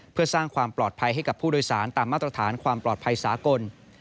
เพื่อสร้างความปลอดภัยให้กับผู้โดยสารตามมาตรฐานความปลอดภัยสากล